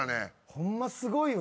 ホンマすごいわ。